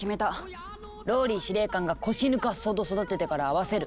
ＲＯＬＬＹ司令官が腰抜かすほど育ててから会わせる。